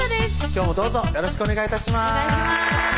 今日もどうぞよろしくお願い致します